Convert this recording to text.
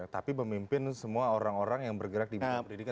tapi memimpin semua orang orang yang bergerak di bidang pendidikan